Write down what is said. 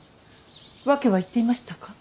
訳は言っていましたか。